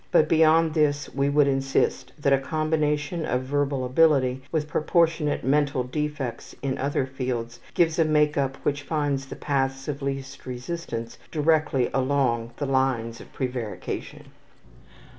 But beyond this we would insist that a combination of verbal ability with proportionate mental defects in other fields gives a make up which finds the paths of least resistance directly along the lines of prevarication.